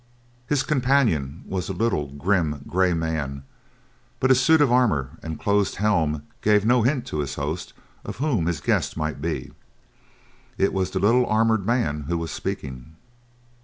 His companion was a little, grim, gray man but his suit of armor and closed helm gave no hint to his host of whom his guest might be. It was the little armored man who was speaking.